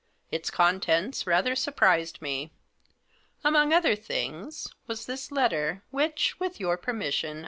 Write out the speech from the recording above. " Its contents rather surprised me. Among other things was this letter, which, with your permission!